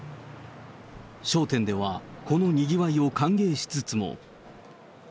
商店では、このにぎわいを歓迎しつつも。